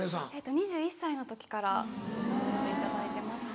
２１歳の時からさせていただいてますね。